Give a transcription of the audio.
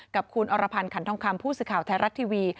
กับคุณอรพันธ์ขันทองคำผู้สื่อข่าวไทยรัฐทีวี